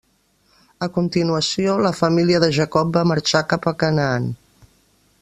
A continuació, la família de Jacob va marxar cap a Canaan.